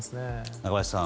中林さん